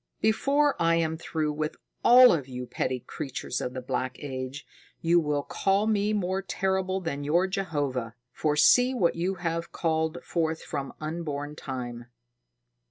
Before I am through with all of you petty creatures of the Black Age, you will call me more terrible than your Jehovah! For see what you have called forth from unborn time."